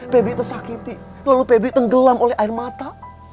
pebri tersakiti lalu pebri tenggelam oleh air mata